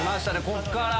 こっから。